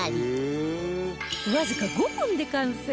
わずか５分で完成！